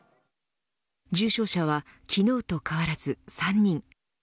重症者は昨日と変わらず３人。